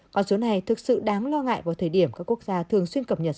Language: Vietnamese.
con số này thực sự đáng lo ngại vào thời điểm các quốc gia thường xuyên cập nhật